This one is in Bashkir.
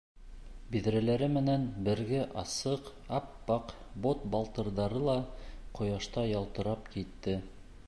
Биҙрәләре менән бергә асыҡ ап-аҡ бот-балтырҙары ла ҡояшта ялтырап китте.